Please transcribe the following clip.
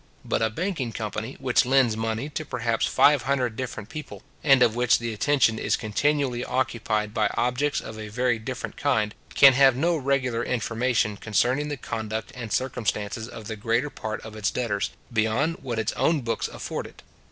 But a banking company, which lends money to perhaps five hundred different people, and of which the attention is continually occupied by objects of a very different kind, can have no regular information concerning the conduct and circumstances of the greater part of its debtors, beyond what its own books afford it.